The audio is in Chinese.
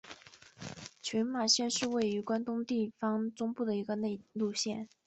群马县是位于关东地方中部的一个内陆县。